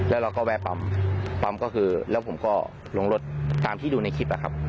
แล้วเราก็แวะปั๊มแล้วผมก็ลงรถตามที่ดูในคลิปครับ